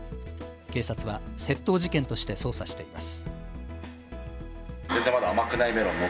警察は窃盗事件として捜査しています。